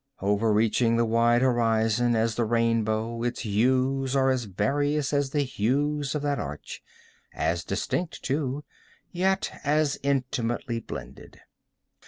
Overreaching the wide horizon as the rainbow, its hues are as various as the hues of that arch—as distinct too, yet as intimately blended.